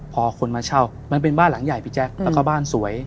พอคนมาเช่ามันเป็นบ้านหลังใหญ่พี่แจ๊คแล้วก็บ้านสวย